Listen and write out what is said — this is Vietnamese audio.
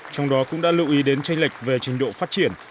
trong đó cũng đã lưu ý đến tranh lệch về trình độ phát triển